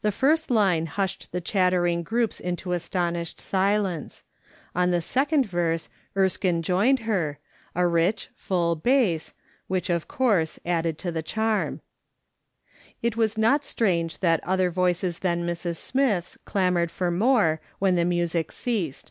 The first line hushed the chattering groups into aston ished silence. On the second verse Erskine joined her, a rich, full bass, which of course added to the ISZ A/A'S. SOLOMON SMITH LOOKING ON. charm. It was not strange that other voices than Mrs. Smith's clamoured for more when the music ceased.